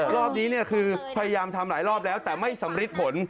รอบนี้คือพยายามทำหลายรอบแล้วแต่ไม่สำริดผล